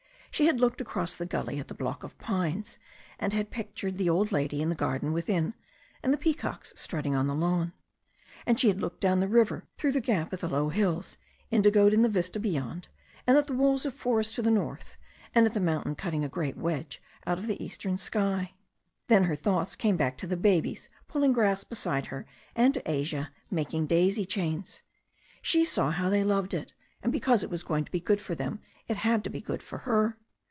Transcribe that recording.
She had looked across the g^lly at the block of pines, and had pictured the old lady in the garden within, and the peacocks strutting on THE STORY OF A NEW ZEALAND RIVER 55 the lawn. And she had looked down the river through the gap at the low hills, indigoed in the vista beyond, and at the walls of forest to the north, and at the mountain cutting a great wedge out of the eastern sky. Then her thoughts came back to the babies pulling grass beside her, and to Asia making daisy chains. She saw how they loved it, and because it was going to be good for them it had to be good for her.